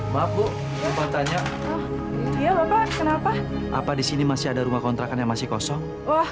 mabuk lupa tanya ya bapak kenapa apa di sini masih ada rumah kontrakan yang masih kosong wah